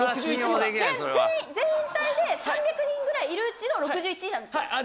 全体で３００人ぐらいいるうちの６１位なんですよ。